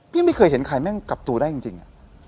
ไม่เคยเห็นใครแม่งกลับตัวได้จริง